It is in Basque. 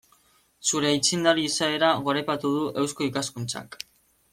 Zure aitzindari izaera goraipatu du Eusko Ikaskuntzak.